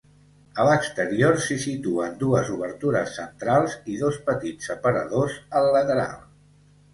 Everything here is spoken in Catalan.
A l'exterior s'hi situen dues obertures centrals i dos petits aparadors al lateral.